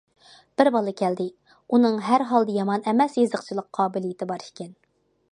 بىر بالا كەلدى، ئۇنىڭ ھەر ھالدا يامان ئەمەس يېزىقچىلىق قابىلىيىتى بار ئىكەن.